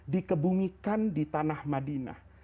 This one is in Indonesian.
dikebungikan di tanah madinah